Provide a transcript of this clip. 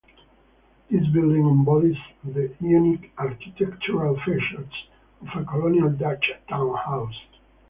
This building embodies the unique architectural features of a colonial Dutch town house.